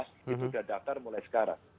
itu sudah daftar mulai sekarang